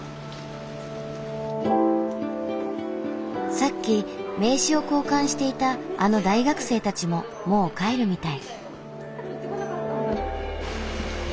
さっき名刺を交換していたあの大学生たちももう帰るみたい。